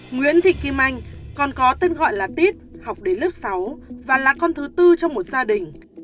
nguyễn thị kim anh còn có tên gọi là tít học đến lớp sáu và là con thứ tư trong một gia đình